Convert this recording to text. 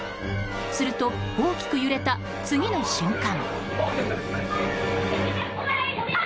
すると大きく揺れた次の瞬間。